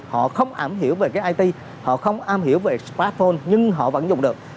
họ không ảm hiểu về it họ không ảm hiểu về smartphone nhưng họ vẫn dùng được